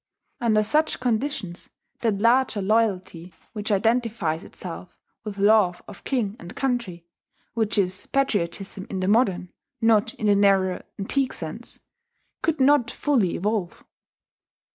Under such conditions that larger loyalty which identifies itself with love of king and country, which is patriotism in the modern, not in the narrower antique sense, could not fully evolve.